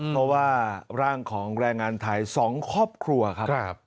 เพราะว่าร่างของแรงงานไทย๒ครอบครัวครับ